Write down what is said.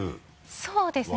そうですね